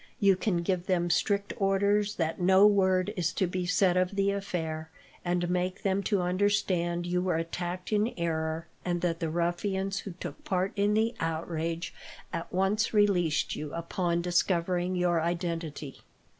You can give them strict orders that no word is to be said of the affair, and make them to understand you were attacked in error, and that the ruffians who took part in the outrage at once released you, upon discovering your identity."